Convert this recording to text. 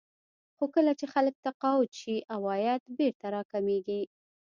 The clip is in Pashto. خو کله چې خلک تقاعد شي عواید بېرته راکمېږي